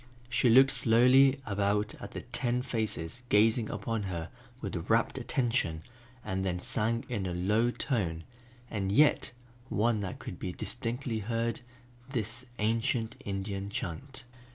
She looked slowly about at the ten faces gazing upon her with rapt attention and then sang in a low tone, and yet one that could be distinctly heard, this ancient Indian chant.